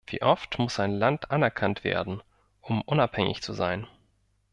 Wie oft muss ein Land anerkannt werden, um unabhängig zu sein?